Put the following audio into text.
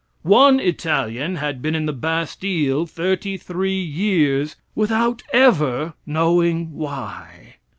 One Italian had been in the Bastille thirty three years without ever knowing why.